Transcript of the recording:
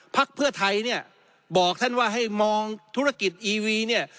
พักเพื่อไทยเนี่ยบอกท่านว่าให้มองธุรกิจอีวีเนี่ย